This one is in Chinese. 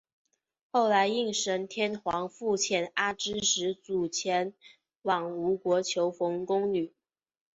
后来应神天皇复遣阿知使主前往吴国求缝工女。